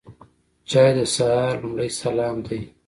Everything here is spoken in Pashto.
چای د سهار لومړی سلام دی.